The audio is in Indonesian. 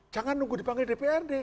jangan nunggu dipanggil dprd